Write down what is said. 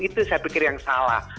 itu saya pikir yang salah